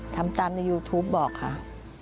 ทำตามในยูทูปบอกค่ะ